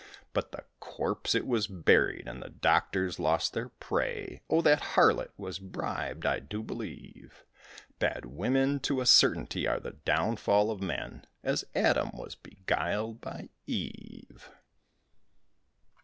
But the corpse it was buried and the doctors lost their prey, Oh, that harlot was bribed, I do believe; Bad women to a certainty are the downfall of men, As Adam was beguiled by Eve.